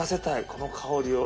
この香りを。